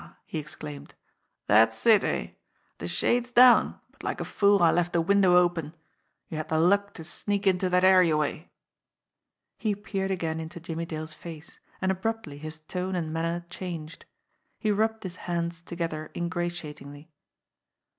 he exclaimed. "That's it, eh? The shade's down, but like a fool I left the window open. You had the luck to sneak into that areaway." He peered again into Jimmie Dale's face, and abruptly his tone and manner changed. He rubbed his hands together ingrati atingly.